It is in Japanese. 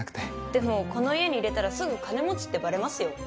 でもこの家に入れたらすぐ金持ちってバレますよ。